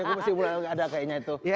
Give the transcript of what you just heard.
aku masih mulai gak ada kayaknya itu